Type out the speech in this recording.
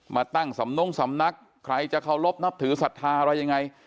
มาตั้งสำนงสำนักใครจะเคารพนับถือศรัทธาอะไรยังไง